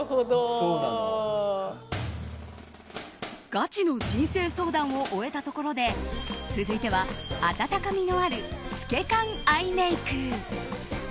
ガチの人生相談を終えたところで続いては、温かみのある透け感アイメイク。